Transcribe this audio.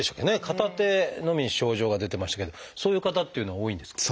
片手のみ症状が出てましたけどそういう方っていうのは多いんですか？